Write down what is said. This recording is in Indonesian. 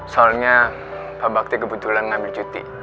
soalnya pak bakti kebetulan ngambil cuti